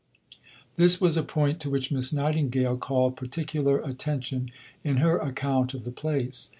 This was a point to which Miss Nightingale called particular attention in her account of the place.